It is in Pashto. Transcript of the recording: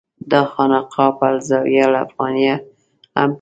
دا خانقاه په الزاویة الافغانیه هم پېژندل کېږي.